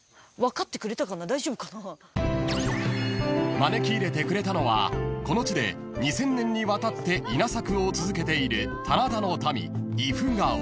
［招き入れてくれたのはこの地で２，０００年にわたって稲作を続けている棚田の民イフガオ］